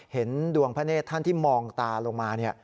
เห็นดวงพระเนธท่านที่มองตาลงมา